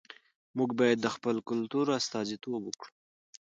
موږ بايد د خپل کلتور استازیتوب وکړو.